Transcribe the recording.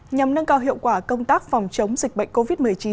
nhằm nâng cao hiệu quả công tác phòng chống dịch bệnh covid một mươi chín